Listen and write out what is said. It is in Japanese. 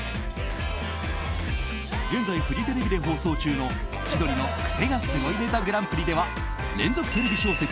現在、フジテレビで放送中の「千鳥のクセがスゴいネタＧＰ」では「連続テレビ小説